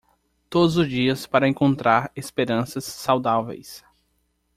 Todos os dias para encontrar esperanças saudáveis